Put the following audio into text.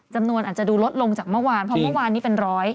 จำนวนอาจจะดูลดลงจากเมื่อวานเพราะเมื่อวานนี้เป็นร้อย